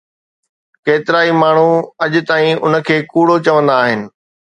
ڪيترائي ماڻهو اڃا تائين ان کي ڪوڙ چوندا آهن